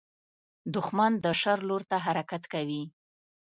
دښمن د شر لور ته حرکت کوي